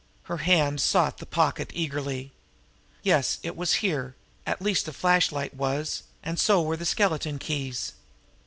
Her hand sought the pocket eagerly. Yes, it was here at least the flashlight was, and so were the skeleton keys.